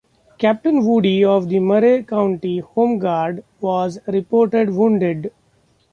Captain Woody of the Murray County Home Guard was reported wounded.